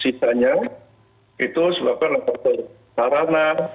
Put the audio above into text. sita nya itu sebabkan faktor sarana